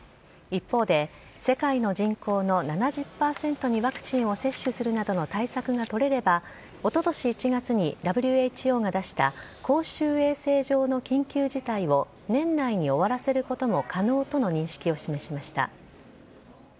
一方で、世界の人口の７０％にワクチンを接種するなどの対策が取れれば、おととし１月にＷＨＯが出した公衆衛生上の緊急事態を年内に終わらせることも可能との認識を示しました。